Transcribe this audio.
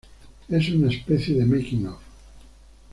Es una especie de "Making-of".